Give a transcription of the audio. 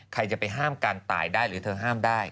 ใครจะไปห้ามการตายได้หรือเธอห้ามได้